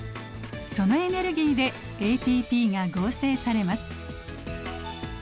そのエネルギーでＡＴＰが合成されます。